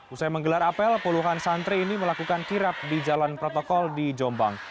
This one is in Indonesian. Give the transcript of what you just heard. usai menggelar apel puluhan santri ini melakukan kirap di jalan protokol di jombang